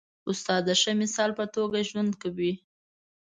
استاد د ښه مثال په توګه ژوند کوي.